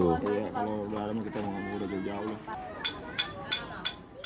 iya kalau ada kita menganggur di jauh jauh